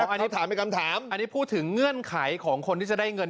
อันนี้ถามเป็นคำถามอันนี้พูดถึงเงื่อนไขของคนที่จะได้เงิน